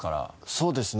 そうですね。